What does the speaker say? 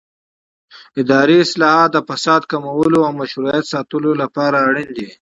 اداري اصلاحات د فساد کمولو او مشروعیت د ساتلو لپاره اړین دي